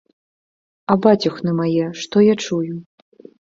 А бацюхны мае, што я чую?